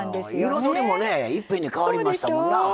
彩りもいっぺんに変わりましたもんな。